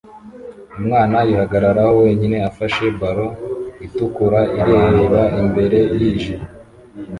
Umwana yihagararaho wenyine afashe ballon itukura ireba imbere yijimye